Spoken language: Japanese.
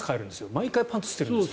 毎回パンツ捨てるんですよ。